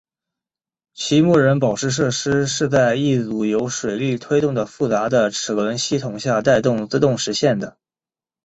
其木人宝石设施是在一组由水力推动的复杂的齿轮系统的带动下自动实现的。